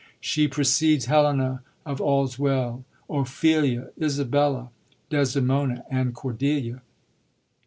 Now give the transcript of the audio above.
She pre cedes Helena of AlVa Well, Ophelia, Isabella, Desdemona, and Cordelia.